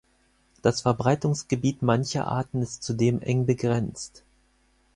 Das Verbreitungsgebiet mancher Arten ist zudem eng begrenzt.